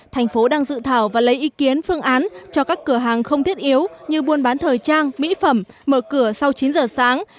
thành phố đang dự thảo và lấy ý kiến phương án cho các cửa hàng không thiết yếu như buôn bán thời trang mỹ phẩm mở cửa sau chín giờ sáng